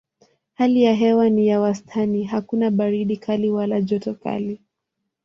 Hali ya hewa ni ya wastani: hakuna baridi kali wala joto kali.